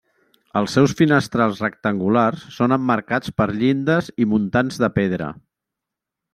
Els seus finestrals rectangulars són emmarcats per llindes i muntants de pedra.